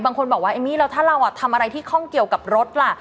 บางคนบอกว่าเอมมี่แล้วถ้าเราทำอะไรที่ข้องเกี่ยวกับรถล่ะ